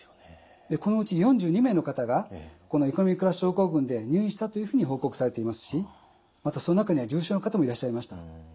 このうち４２名の方がこのエコノミークラス症候群で入院したというふうに報告されていますしまたその中には重症の方もいらっしゃいました。